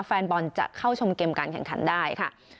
แฟนบอลจะเข้าชมเกมการแข่งขันได้ค่ะ